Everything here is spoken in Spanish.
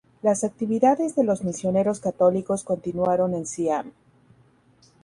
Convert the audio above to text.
Las actividades de los misioneros católicos continuaron en Siam.